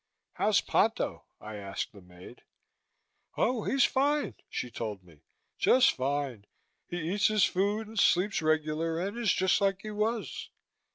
"How's Ponto?" I asked the maid. "Oh, he's fine," she told me, "just fine. He eats his food and sleeps regular and is just like he was."